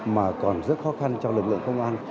mà còn rất khó khăn cho lực lượng công an